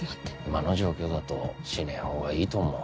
今の状況だとしねぇほうがいいと思う。